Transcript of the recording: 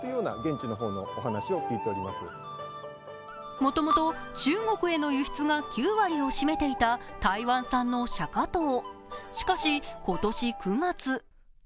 もともと、中国への輸出が９割を占めていた台湾産のシャカトウ。